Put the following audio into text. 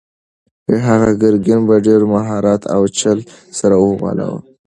هغه ګرګین په ډېر مهارت او چل سره وغولاوه.